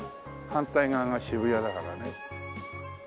反対側が渋谷だからね。